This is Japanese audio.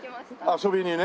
遊びにね。